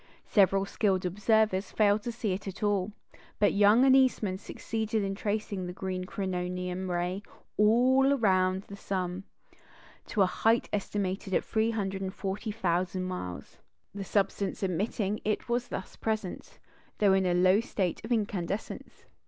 Several skilled observers failed to see it at all; but Young and Eastman succeeded in tracing the green "coronium" ray all round the sun, to a height estimated at 340,000 miles. The substance emitting it was thus present, though in a low state of incandescence.